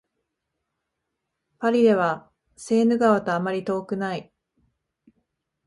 パリではセーヌ川とあまり遠くない